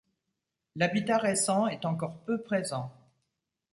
L'habitat récent est encore peu présent.